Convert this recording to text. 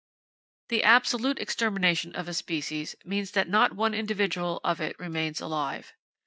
The absolute extermination of a species means that not one individual of it remains alive.